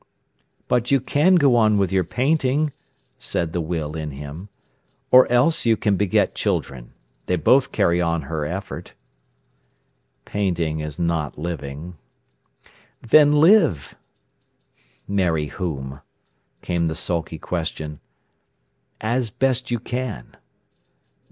"But you can go on with your painting," said the will in him. "Or else you can beget children. They both carry on her effort." "Painting is not living." "Then live." "Marry whom?" came the sulky question. "As best you can."